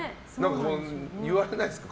言われないですか？